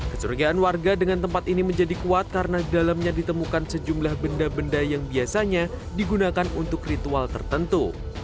kecurigaan warga dengan tempat ini menjadi kuat karena di dalamnya ditemukan sejumlah benda benda yang biasanya digunakan untuk ritual tertentu